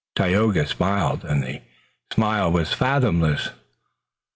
Tayoga smiled, and the smile was fathomless.